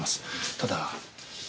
ただ。